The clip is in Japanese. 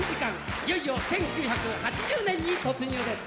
いよいよ１９８０年に突入です。